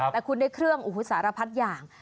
แต่คุณได้เครื่องสารพัดอย่าง